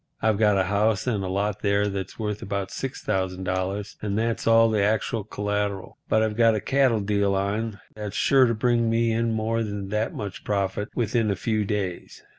I've got a house and lot there that's worth about $6,000 and that's all the actual collateral. But I've got a cattle deal on that's sure to bring me in more than that much profit within a few days."